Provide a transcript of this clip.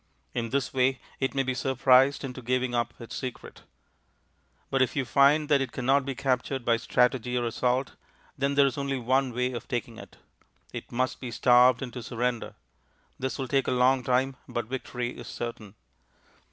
In this way it may be surprised into giving up its secret. But if you find that it cannot be captured by strategy or assault, then there is only one way of taking it. It must be starved into surrender. This will take a long time, but victory is certain.